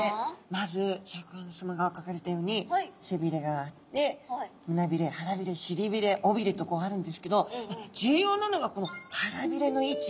まずシャーク香音さまがかかれたように背びれがあってむなびれ腹びれしりびれおびれとこうあるんですけど重要なのがこの腹びれの位置。